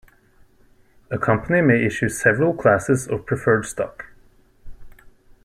A company may issue several classes of preferred stock.